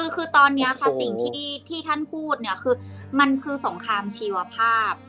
คือตอนนี้ค่ะสิ่งที่ท่านพูดเนี่ยคือมันคือสงครามชีวภาพ